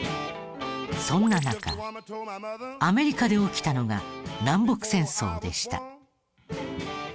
そんな中アメリカで起きたのが南北戦争でした。